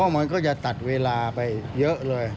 มันก็จะตัดเวลาไปเยอะเลย